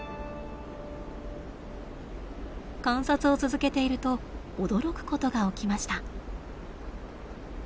観察を続けていると驚くことが起きました。